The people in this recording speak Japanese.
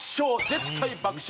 絶対爆笑！